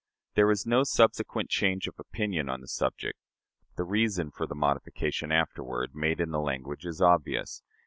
There was no subsequent change of opinion on the subject. The reason for the modification afterward made in the language is obvious.